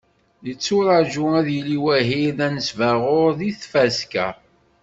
Yetturaǧu, ad yili wahil d anesbaɣur deg tfaska-a.